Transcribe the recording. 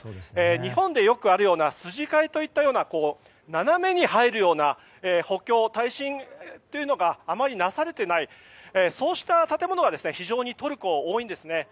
日本でよくあるような斜めに入るような補強耐震というのがあまりなされてないそうした建物が非常にトルコには多いんです。